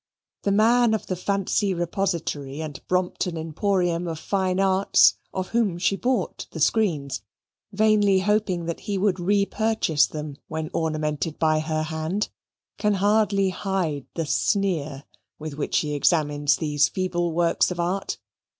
The man of the Fancy Repository and Brompton Emporium of Fine Arts (of whom she bought the screens, vainly hoping that he would repurchase them when ornamented by her hand) can hardly hide the sneer with which he examines these feeble works of art.